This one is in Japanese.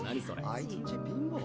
あいつんち貧乏？